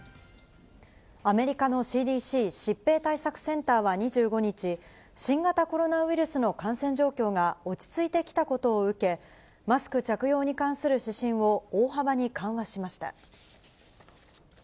アメリカのＣＤＣ・疾病対策センターは２５日、新型コロナウイルスの感染状況が落ち着いてきたことを受け、マスク着用に関する指針を大幅に緩和しました。